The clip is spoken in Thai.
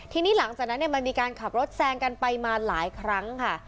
ทีนี้หลังจากนั้นมันมีการขับรถแซงกันไปมาหลายครั้งค่ะ